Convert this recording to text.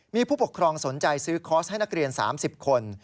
มีผู้ปกครองสนใจซื้อคอร์สให้นักเรียน๓๐คน